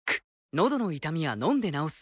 のどの痛みは飲んで治す。